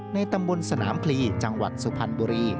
ในตำบลสนามพลีจังหวัดสุพรรณบุรี